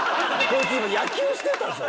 こいつ今野球してたぞ。